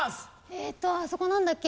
えっとあそこなんだっけ？